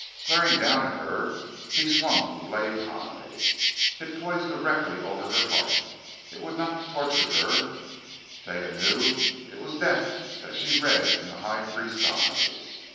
Glaring down at her, he swung the blade high. It poised directly over her heart. It would not torture her, Taia knew: it was death that she read in the High Priest's eyes.